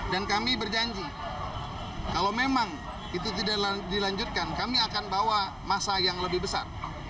dan kami berjanji kalau memang itu tidak dilanjutkan kami akan bawa masa yang lebih besar